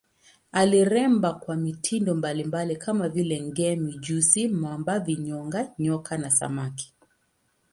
Aliremba kwa mitindo mbalimbali kama vile nge, mijusi, mamba, vinyonga, nyoka na samaki.